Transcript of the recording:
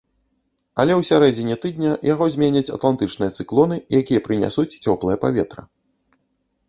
Але ў сярэдзіне тыдня яго зменяць атлантычныя цыклоны, якія прынясуць цёплае паветра.